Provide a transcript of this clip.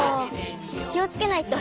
きをつけないと！